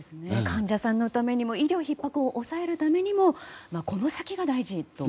患者さんのためにも医療ひっ迫を抑えるためにもこの先が大事だと。